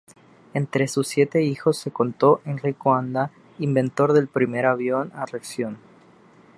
Entre sus siete hijos se contó Henri Coandă, inventor del primer avión a reacción.